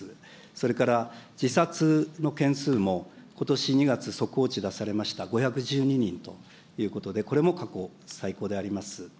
それから、自殺の件数も、ことし２月、速報値出されました、５１２人ということで、これも過去最高であります。